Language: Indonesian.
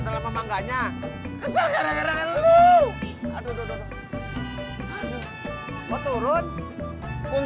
turun kuncinya jatuh tuh